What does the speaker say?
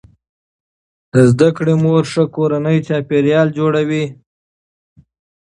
د زده کړې مور ښه کورنی چاپیریال جوړوي.